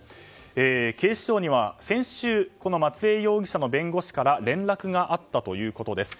警視庁には先週松江容疑者の弁護士から連絡があったということです。